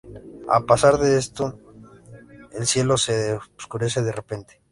Al pasar esto el cielo se oscurece de repente.